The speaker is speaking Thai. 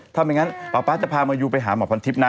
ถ้าไม่งั้นป๊าป๊าจะพามายูไปหาหมอพรทิพย์นะ